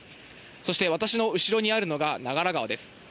そして私の後ろにあるのが、長良川です。